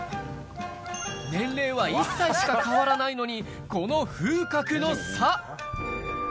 年齢は１歳しか変わらないのにこの風格の差！